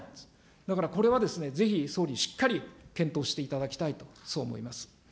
だからこれはぜひ、総理しっかり検討していただきたいと、そう思います。